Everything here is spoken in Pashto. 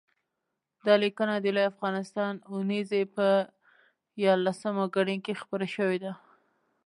دا لیکنه د لوی افغانستان اوونیزې په یارلسمه ګڼه کې خپره شوې ده